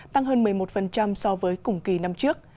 tăng hơn một mươi một so với cùng kỳ năm trước